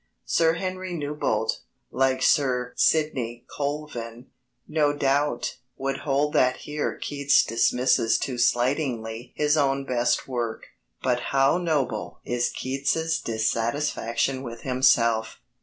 Sir Henry Newbolt, like Sir Sidney Colvin, no doubt, would hold that here Keats dismisses too slightingly his own best work. But how noble is Keats's dissatisfaction with himself!